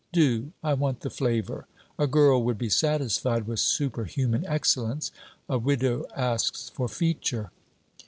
'Do. I want the flavour. A girl would be satisfied with superhuman excellence. A widow asks for feature.'